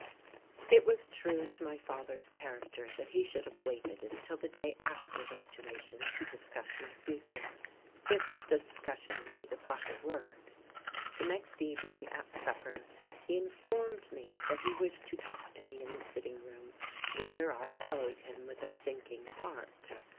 It was true to my father's character that he should have waited until the day after graduation to discuss my future, if discussion be the proper word. The next evening at supper he informed me that he wished to talk to me in the sitting room, whither I followed him with a sinking heart.